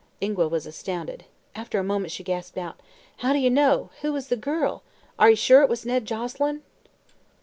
Ingua was astounded. After a moment she gasped out: "How d'ye know? Who was the girl? Are ye sure it were Ned Joselyn?"